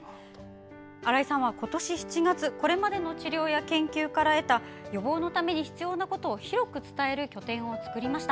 新井さんは今年７月これまでの治療や研究から得た予防のために必要なことを広く伝える拠点を作りました。